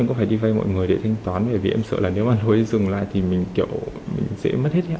em có phải đi vay mọi người để thanh toán bởi vì em sợ là nếu mà lối dừng lại thì mình kiểu dễ mất hết